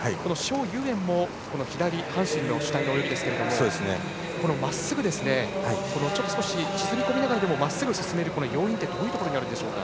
蒋裕燕も左半身が主体の泳ぎですがちょくちょく沈み込みながらでもまっすぐ進める要因はどういうところにあるんでしょうか。